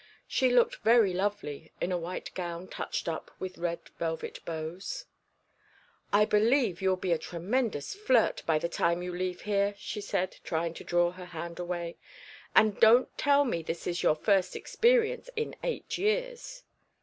She looked very lovely in a white gown touched up with red velvet bows. "I believe you'll be a tremendous flirt by the time you leave here," she said, trying to draw her hand away. "And don't tell me this is your first experience in eight years."